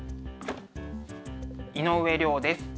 井上涼です。